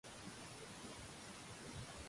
老世唔该要个肉片牛肉粥，加生菜